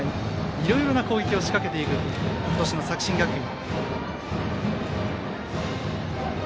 いろいろな攻撃を仕掛けている今年の作新学院。